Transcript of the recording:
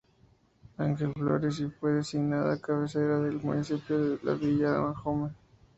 Ángel Flores, y fue designada cabecera del municipio La Villa de Ahome.